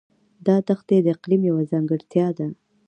دا دښتې د اقلیم یوه ځانګړتیا ده.